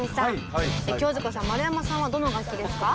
清塚さん丸山さんはどの楽器ですか？